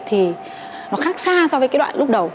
thì nó khác xa so với cái đoạn lúc đầu